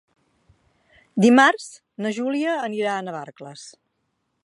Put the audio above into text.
Dimarts na Júlia anirà a Navarcles.